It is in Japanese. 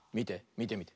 みてみて。